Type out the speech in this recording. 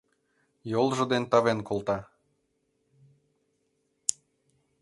Йолжо ден тавен колта: